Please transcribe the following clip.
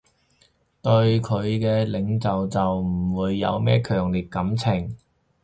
對佢嘅領袖唔會有咩強烈感情